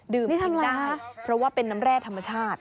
กินได้เพราะว่าเป็นน้ำแร่ธรรมชาติ